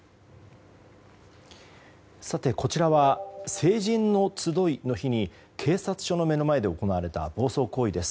こちらは成人の集いの日に警察署の目の前で行われた暴走行為です。